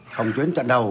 phòng tuyến trận đầu